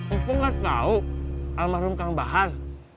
lo kan nggak tau almarhum kang bahar